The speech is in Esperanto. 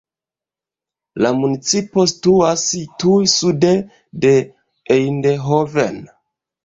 La municipo situas tuj sude de Eindhoven.